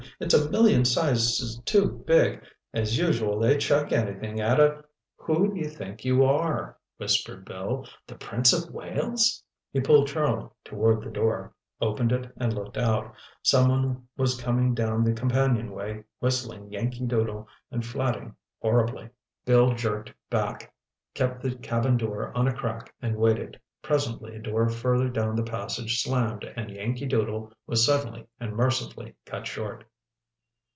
"It's a million sizes too big—as usual, they chuck anything at a—" "Who do you think you are—" whispered Bill, "the Prince of Wales?" He pulled Charlie toward the door, opened it and looked out. Someone was coming down the companionway, whistling Yankee Doodle and flatting horribly. Bill jerked back, kept the cabin door on a crack and waited. Presently a door further down the passage slammed and Yankee Doodle was suddenly and mercifully cut short.